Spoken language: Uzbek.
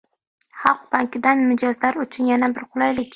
“Xalq banki”dan mijozlar uchun yana bir qulaylik